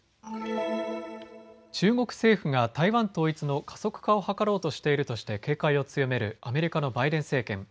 中国政府が台湾統一の加速化を図ろうとしているとして警戒を強めるアメリカのバイデン政権。